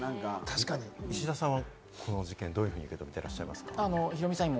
石田さんはこの事件、どういうふうに受け止めていらっしゃいますか？